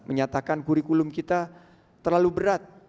menyatakan kurikulum kita terlalu berat